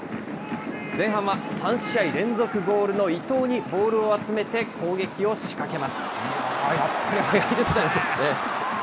前半は３試合連続ゴールの伊東にボールを集めて攻撃を仕掛けます。